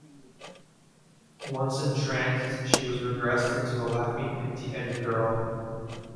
Once entranced she was regressed into a laughing, empty-headed girl.